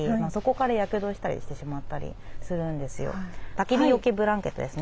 たき火よけブランケットですね。